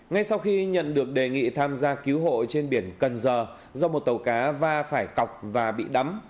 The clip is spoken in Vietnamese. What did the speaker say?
ngay sau khi nhận được đề nghị tham gia cứu hộ trên biển cần giờ do một tàu cá va phải cọc và bị đắm